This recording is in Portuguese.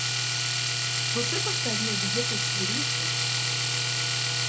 Você gostaria de repetir isso?